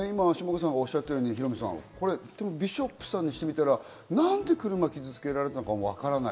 下川さんがおっしゃったように、ヒロミさん、ビショップさんにしてみたら、何で車が傷つけられたかわからない。